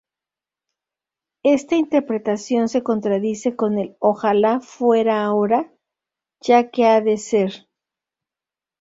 Esta interpretación se contradice con el ""¡Ojalá fuera ahora, ya que ha de ser!